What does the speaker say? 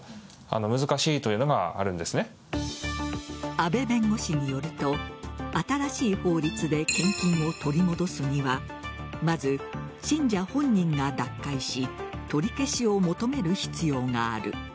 阿部弁護士によると新しい法律で献金を取り戻すにはまず、信者本人が脱会し取り消しを求める必要がある。